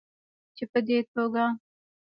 چې په دې توګه